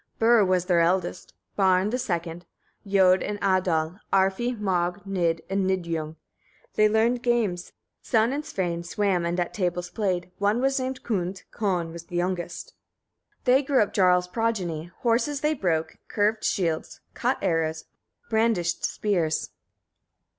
38. Bur was their eldest, Barn the second, Jod and Adal, Arfi, Mog, Nid and Nidjung. They learned games; Son and Svein swam and at tables played. One was named Kund, Kon was youngest. 39. There grew up Jarl's progeny; horses they broke, curved shields, cut arrows, brandished spears.